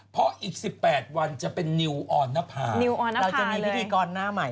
เพราะอีกสิบแปดวันจะเป็นนิวออนนภานิวออนนภาเลยเราจะมีพฤติกรหน้าใหม่